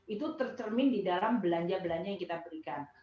itu tercermin di dalam belanja belanja yang kita berikan